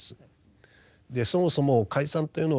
そもそも解散というのはですね